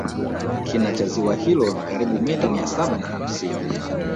Kina cha ziwa hilo ni karibu meta mia saba na hamsini